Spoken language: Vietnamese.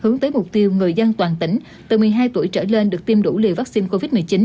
hướng tới mục tiêu người dân toàn tỉnh từ một mươi hai tuổi trở lên được tiêm đủ liều vaccine covid một mươi chín